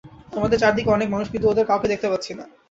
আমার চারদিকে অনেক মানুষ, কিন্তু ওদের কাউকে দেখতে পাচ্ছি না!